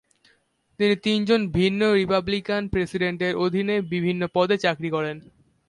তিনি তিনজন ভিন্ন রিপাবলিকান প্রেসিডেন্টের অধীনে বিভিন্ন পদে চাকরি করেন।